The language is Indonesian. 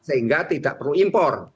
sehingga tidak perlu impor